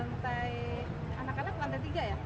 lantai anak anak lantai tiga ya